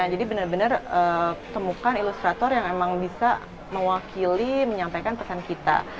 jadi bener bener temukan ilustrator yang memang bisa mewakili menyampaikan pesan kita